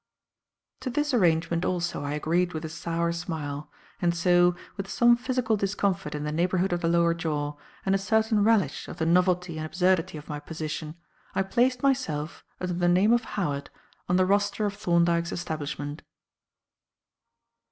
To this arrangement also I agreed with a sour smile, and so, with some physical discomfort in the neighbourhood of the lower jaw, and a certain relish of the novelty and absurdity of my position, I placed myself, under the name of Howard, on the roster of Thorndyke's establishment.